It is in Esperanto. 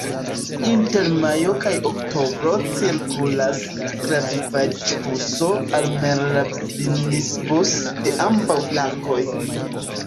Inter majo kaj oktobro cirkulas travivaĵbuso "Almerlebnisbus" de ambaŭ flankoj.